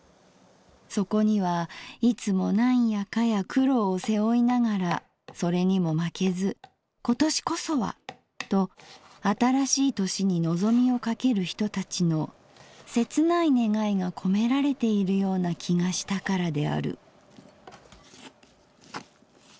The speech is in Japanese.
そこにはいつも何やかや苦労を背負いながらそれにも負けず今年こそはと新しい年にのぞみをかける人たちの切ない願いがこめられているような気がしたからである」。